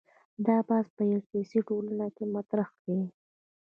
دا بحث په یوه سیاسي ټولنه کې مطرح دی.